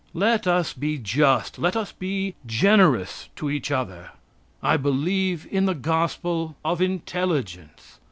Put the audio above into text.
Let us be just. Let us be generous to each other. I believe in the gospel of intelligence.